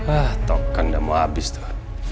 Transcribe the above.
ah token udah mau habis tuh